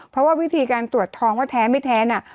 เพราะว่าวิธีการตรวจทองว่าแท้ไม่แท้น่ะ